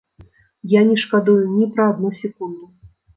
Я не шкадую ні пра адну секунду.